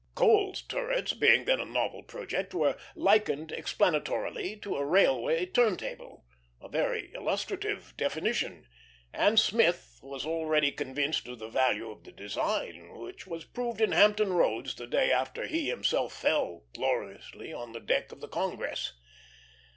Coles's turrets, being then a novel project, were likened, explanatorily, to a railway turn table, a very illustrative definition; and Smith was already convinced of the value of the design, which was proved in Hampton Roads the day after he himself fell gloriously on the deck of the Congress.